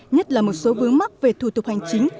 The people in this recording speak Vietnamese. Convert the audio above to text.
nhất là một số vướng mắc về thủ tục hành chính